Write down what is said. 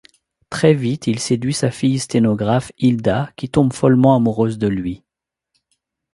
Très vite, il séduit sa fille sténographe, Hilda, qui tombe follement amoureuse de lui.